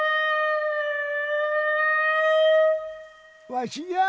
わしじゃあ！